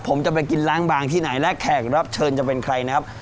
ผมจะไปกินล้างบางที่ไหนและแขกรับเชิญจะเป็นใครนะครับ